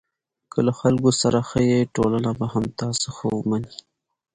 که له خلکو سره ښه یې، ټولنه به تا هم ښه ومني.